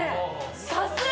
さすが！